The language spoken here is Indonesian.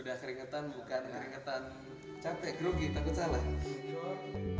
udah keringetan bukan ngeringetan capek grogi takut salah